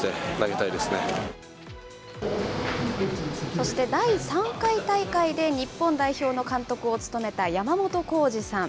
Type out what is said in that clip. そして第３回大会で日本代表の監督を務めた山本浩二さん。